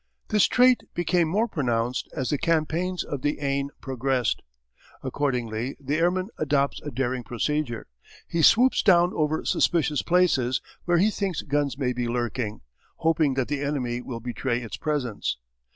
This trait became more pronounced as the campaigns of the Aisne progressed. Accordingly the airman adopts a daring procedure. He swoops down over suspicious places, where he thinks guns may be lurking, hoping that the enemy will betray its presence.